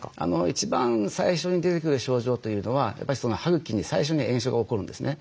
一番最初に出てくる症状というのはやっぱり歯茎に最初に炎症が起こるんですね。